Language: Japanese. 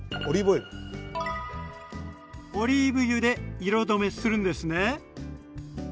オリーブ油で色止めするんですね。